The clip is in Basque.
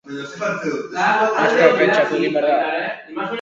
Zer du kiroletik bertsolaritzak?